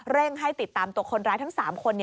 เร่งให้ติดตามตัวคนร้ายทั้งสามคน